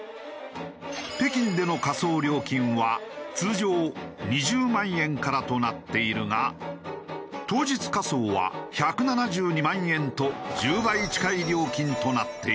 北京での火葬料金は通常２０万円からとなっているが当日火葬は１７２万円と１０倍近い料金となっている。